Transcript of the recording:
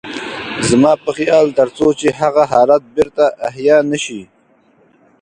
زما په خيال تر څو چې هغه حالت بېرته احيا نه شي.